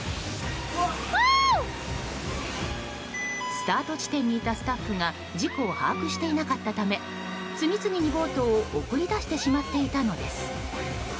スタート地点にいたスタッフが事故を把握していなかったため次々にボートを送り出してしまっていたのです。